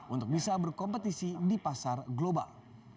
untuk bisa berkompetisi di pasar global